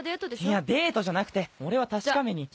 いやデートじゃなくて俺は確かめに。